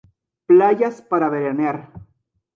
Playas para veranear.